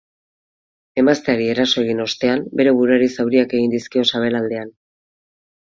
Emazteari eraso egin ostean bere buruari zauriak egin dizkio sabelaldean.